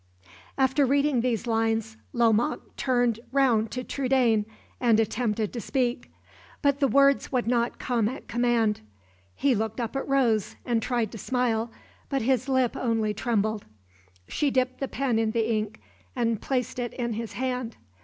After reading these lines, Lomaque turned round to Trudaine and attempted to speak; but the words would not come at command. He looked up at Rose, and tried to smile; but his lip only trembled. She dipped the pen in the ink, and placed it in his hand.